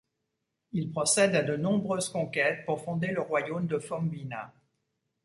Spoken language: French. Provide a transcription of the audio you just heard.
Il procède à de nombreuses conquêtes pour fonder le royaume de Fombina.